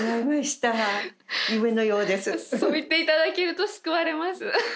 そう言っていただけると救われます。